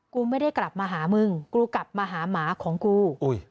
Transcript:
กูไม่ได้กลับมาหามึงกูกลับมาหาหมาของกู